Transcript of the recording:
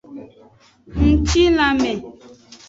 Ngcilanme.